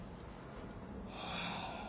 はあ。